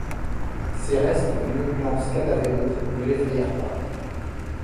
Ces restes d’une opulence cadavéreuse ne l’effrayèrent pas.